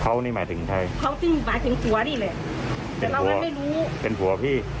เขานี่หมายถึงใครเขาจึงหมายถึงผัวนี่แหละแต่เรางั้นไม่รู้เป็นผัวพี่